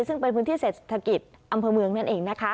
ซึ่งเป็นพื้นที่เศรษฐกิจอำเภอเมืองนั่นเองนะคะ